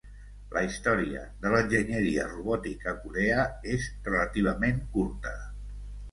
La història de l'enginyeria robòtica a Corea és relativament curta.